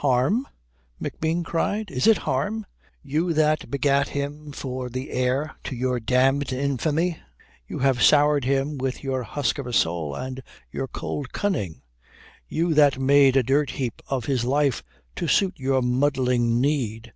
"Harm?" McBean cried. "Is it harm? You that begat him for the heir to your damned infamy? You that soured him with your husk of a soul and your cold cunning? You that made a dirt heap of his life to suit your muddling need?